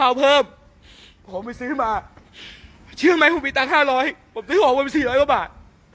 แล้วมีช่องพอดีกว่านี้โดยมีความรักมาก